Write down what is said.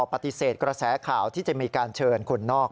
ปฏิเสธกระแสข่าวที่จะมีการเชิญคนนอก